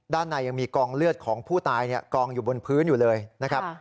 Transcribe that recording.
ด้านในยังมีกองเลือดของผู้ตายกองอยู่บนพื้นอยู่เลยนะครับ